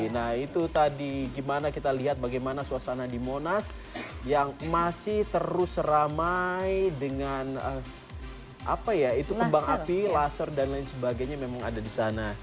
nah itu tadi gimana kita lihat bagaimana suasana di monas yang masih terus ramai dengan apa ya itu kembang api laser dan lain sebagainya memang ada di sana